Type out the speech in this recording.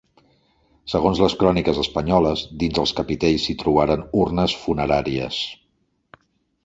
Segons les cròniques espanyoles, dins els capitells s'hi trobaren urnes funeràries.